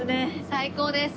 最高です。